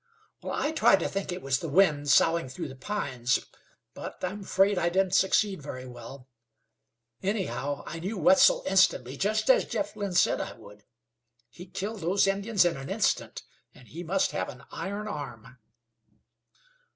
"I tried to think it was the wind soughing through the pines, but am afraid I didn't succeed very well. Anyhow, I knew Wetzel instantly, just as Jeff Lynn said I would. He killed those Indians in an instant, and he must have an iron arm."